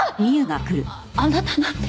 あなたなんで？